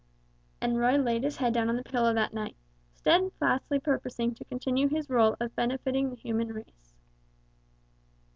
And Roy laid his head down on the pillow that night, steadfastly purposing to continue his rôle of benefiting the human race.